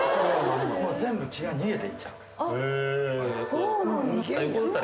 全部気が逃げて行っちゃうから。